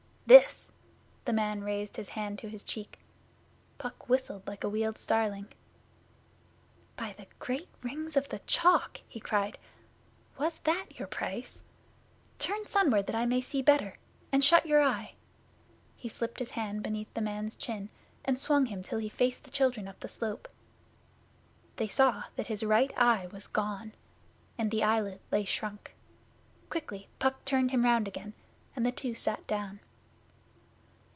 'This!' The man raised his hand to his cheek. Puck whistled like a Weald starling. 'By the Great Rings of the Chalk!' he cried. 'Was that your price? Turn sunward that I may see better, and shut your eye.' He slipped his hand beneath the man's chin and swung him till he faced the children up the slope. They saw that his right eye was gone, and the eyelid lay shrunk. Quickly Puck turned him round again, and the two sat down.